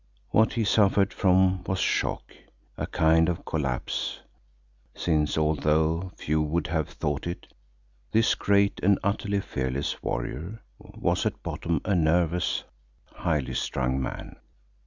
What he suffered from was shock, a kind of collapse, since, although few would have thought it, this great and utterly fearless warrior was at bottom a nervous, highly strung man.